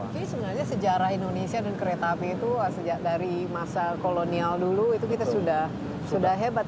jadi sebenarnya sejarah indonesia dan kereta api itu sejak dari masa kolonial dulu itu kita sudah hebat